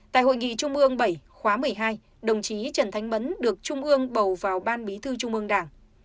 tại hội nghị trung mương bảy khóa một mươi hai đồng chí trần thanh mẫn được trung mương bầu vào ban bí thư trung mương đảng